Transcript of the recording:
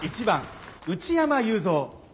１番内山裕三。